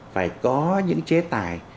phải có những chế tài